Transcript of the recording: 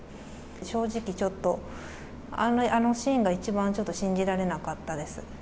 正直ちょっと、あのシーンが一番、ちょっと信じられなかったです。